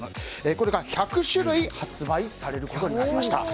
これが１００種類発売されることになりました。